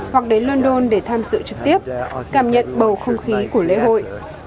hoặc đến london để tham dự trực tiếp cảm nhận bầu không khí của lễ hội